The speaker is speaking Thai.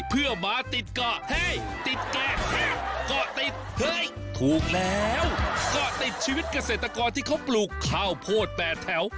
เพื่อมาติดเกาะเฮ้ติดแกะเกาะติดเฮ้ยถูกแล้วก็ติดชีวิตเกษตรกรที่เขาปลูกข้าวโพดแปดแถว